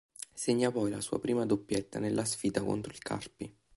Segna poi la sua prima doppietta nella sfida contro il Carpi.